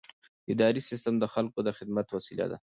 اداري سیستم د خلکو د خدمت وسیله ده.